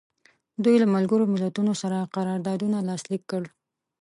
دوی د ملګرو ملتونو سره قراردادونه لاسلیک کړل.